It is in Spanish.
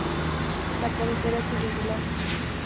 La cabecera es irregular.